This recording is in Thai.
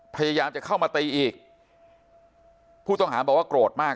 พยายามจะเข้ามาตีอีกผู้ต้องหาบอกว่าโกรธมาก